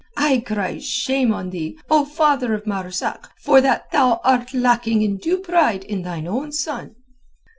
I cry shame on thee, O father of Marzak, for that thou art lacking in due pride in thine own son."